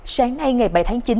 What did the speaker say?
sáng nay ngày bảy tháng chín